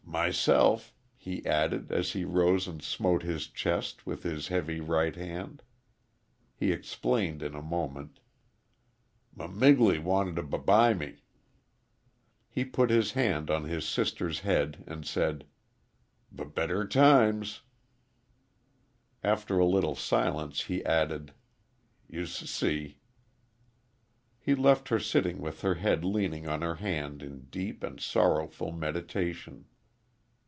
"Myself," he added, as he rose and smote his chest with his heavy right hand. He explained in a moment "M Migley wanted t' b buy me." He put his hand on his sister's head and said, "B better times." After a little silence he added, "You s see." He left her sitting with her head leaning on her hand in deep and sorrowful meditation.